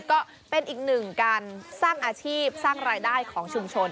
ก็เป็นอีกหนึ่งการสร้างอาชีพสร้างรายได้ของชุมชน